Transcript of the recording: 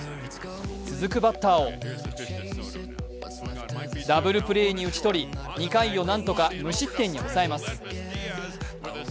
続くバッターをダブルプレーに打ち取り、２回を何とか無失点に抑えます。